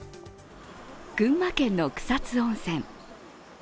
群馬県の草津温泉。